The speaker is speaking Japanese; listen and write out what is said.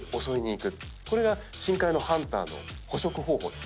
これが深海のハンターの捕食方法。